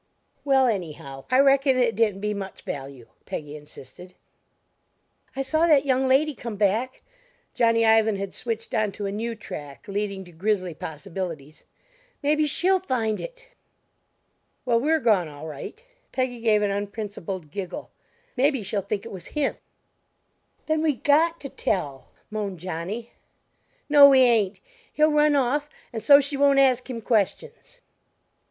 "Well, anyhow, I reckon it didn't be much value," Peggy insisted. "I saw that young lady come back," Johnny Ivan had switched on to a new track leading to grisly possibilities "maybe she'll find it!" "Well, we're gone, all right." Peggy gave an unprincipled giggle; "Maybe she'll think it was him." "Then we got to tell," moaned Johnny. "No, we ain't. He'll run off and so she won't ask him questions."